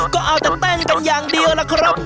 ก็เอาแต่เต้นกันอย่างเดียวล่ะครับ